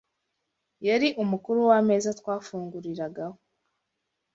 yari umukuru w’ameza twafunguriragaho.”